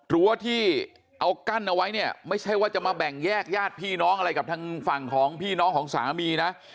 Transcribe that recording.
รั้วที่เอากั้นเอาไว้เนี่ยไม่ใช่ว่าจะมาแบ่งแยกญาติพี่น้องอะไรกับทางฝั่งของพี่น้องของสามีนะ